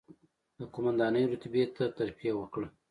د قوماندانۍ رتبې ته ترفېع وکړه،